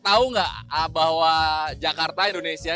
tahu nggak bahwa jakarta indonesia